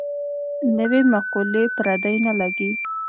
نوې مقولې پردۍ نه لګي.